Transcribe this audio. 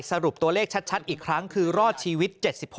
สรุปตัวเลขชัดอีกครั้งคือรอดชีวิต๗๖